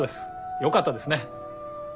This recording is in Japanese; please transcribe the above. よかったですね。